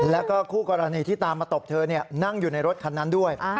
แล้วก็คู่กรณีที่ตามมาตบเธอนั่งอยู่ในรถคันนั้นด้วย